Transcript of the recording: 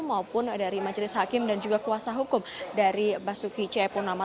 maupun dari majelis hakim dan juga kuasa hukum dari basuki cepurnama